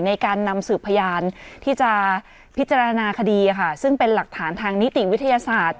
ในการนำสืบพยานที่จะพิจารณาคดีค่ะซึ่งเป็นหลักฐานทางนิติวิทยาศาสตร์